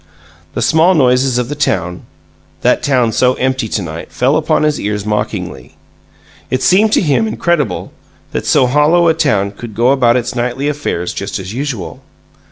The small noises of the town that town so empty to night fell upon his ears mockingly. It seemed to him incredible that so hollow a town could go about its nightly affairs just as usual.